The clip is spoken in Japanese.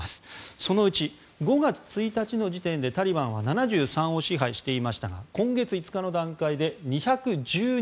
そのうち５月１日の時点でタリバンは７３を支配していましたが今月５日の段階で２１２